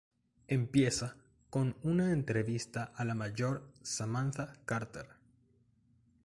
Empieza con una entrevista a la mayor Samantha Carter.